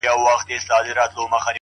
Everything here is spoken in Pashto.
زموږ د كلي څخه ربه ښكلا كډه كړې ـ